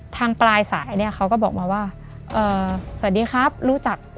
ทางปลายสายเนี่ยเขาก็บอกมาว่าสวัสดีครับรู้จัก